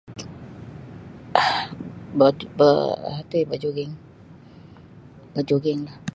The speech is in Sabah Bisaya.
um ba ba ti bajuging bajuginglah.